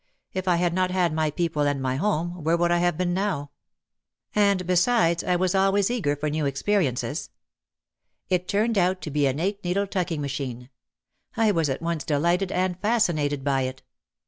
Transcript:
If I had not had my people and my home, where would I have been now? And besides, I was always eager for new experiences. It turned out to be an eight OUT OF THE SHADOW 289 needle tucking machine. I was at once delighted and fascinated by it.